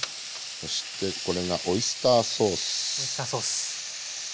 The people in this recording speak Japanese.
そしてこれがオイスターソース。